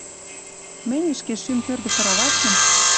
Мӹнь ӹшке шӱм кӧргӹ сыравачем